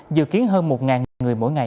dự kiến hơn một người mỗi ngày